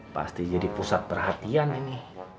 pasti jadi pusat perhatian ini